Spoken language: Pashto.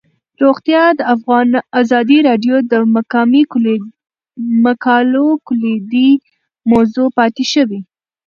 روغتیا د ازادي راډیو د مقالو کلیدي موضوع پاتې شوی.